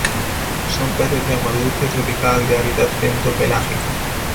Son peces de agua dulce tropical, de hábitat bentopelágico.